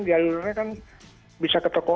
jalurnya kan bisa ke toko